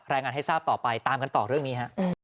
รายงานให้ทราบต่อไปตามกันต่อเรื่องนี้ฮะ